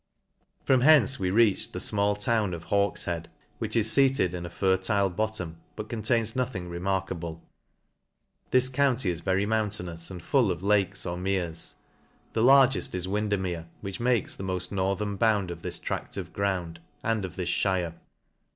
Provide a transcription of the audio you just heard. From hence we reached the fmall town of Hawkf head, which is feated in a fertile bottom, but con tains nothing remarkable. This county is very mountainous, and full of lakes or meres; the iargefr. is Windermere, which, makes the moll: northern bound of this tract of, ground, and of this mire.